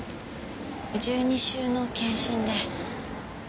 １２週の検診で。